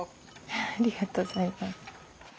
ありがとうございます。